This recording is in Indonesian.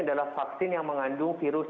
adalah vaksin yang mengandung virus